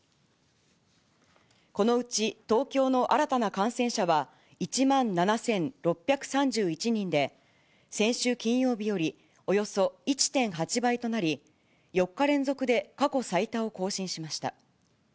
このうち東京の新たな感染者は、１万７６３１人で、先週金曜日より、およそ１．８倍となり、４日連続で過去最多を更新しました。